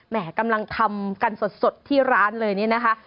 กำลังทำกันสดที่ร้านเลยนี่นะคะ